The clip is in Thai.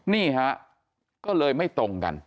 นี่ฮะก็เลยไม่ตรงกัน